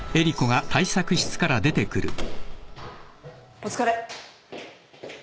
お疲れ。